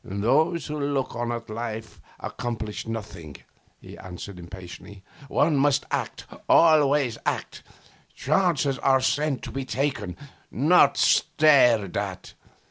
'Those who look on at life accomplish nothing,' he answered impatiently. 'One must act, always act. Chances are sent to be taken, not stared at.